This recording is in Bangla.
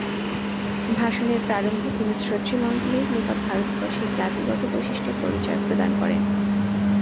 ভাষণের প্রারম্ভে তিনি শ্রোতৃমণ্ডলীর নিকট ভারতবাসীর জাতিগত বৈশিষ্ট্যের পরিচয় প্রদান করেন।